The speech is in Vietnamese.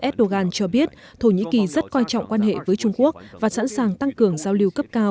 erdogan cho biết thổ nhĩ kỳ rất quan trọng quan hệ với trung quốc và sẵn sàng tăng cường giao lưu cấp